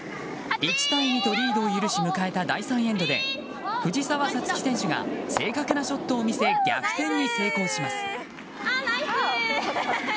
１対２とリードを許し迎えた第３エンドで藤澤五月選手が正確なショットを見せ逆転に成功します。